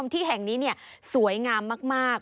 ที่แห่งนี้สวยงามมาก